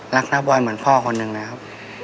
น้าบอยเหมือนพ่อคนหนึ่งเลยครับ